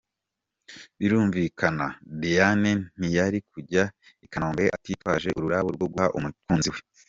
Birumvikana Diane ntiyari kujya i Kanombe atitwaje ururabo rwo guha umukunzi we.